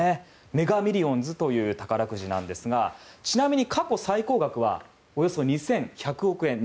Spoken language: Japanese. メガ・ミリオンズという宝くじなんですがちなみに過去最高額はおよそ２１００億円。